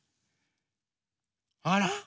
あら？